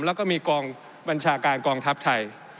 แล้วก็มีกองบัญชาการกองทัพไทย